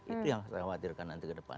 itu yang saya khawatirkan nanti ke depan